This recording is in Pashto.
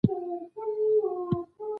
هغوی د سولې او یووالي لپاره کار کاوه.